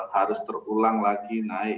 harus terulang lagi naik